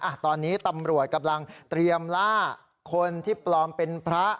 อ่ะตอนนี้ตำรวจกำลังเตรียมล่าคนที่ปลอมเป็นพระ